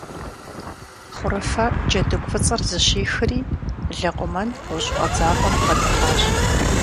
Хъурыфэ джэдыгу фӀыцӀэр зыщихри Лэкъумэн гъущӀ фӀэдзапӀэм бгъэдыхьащ.